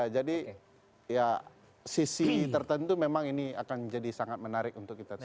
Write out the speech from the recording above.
jadi ya sisi tertentu memang ini akan jadi sangat menarik untuk kita